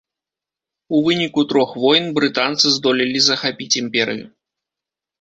У выніку трох войн брытанцы здолелі захапіць імперыю.